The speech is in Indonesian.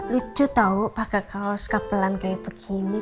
lucu tau pakai kaos kabelan kayak begini